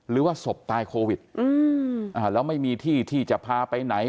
หรือว่าศพตายโควิดแล้วไม่มีที่ที่จะพาไปไหน